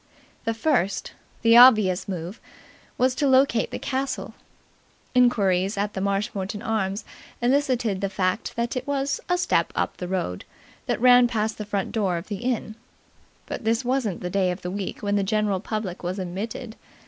The first, the obvious move was to locate the castle. Inquiries at the Marshmoreton Arms elicited the fact that it was "a step" up the road that ran past the front door of the inn. But this wasn't the day of the week when the general public was admitted.